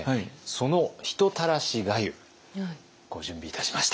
その人たらし粥ご準備いたしました。